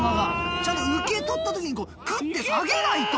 ちゃんと受け取った時にこうカッて下げないと。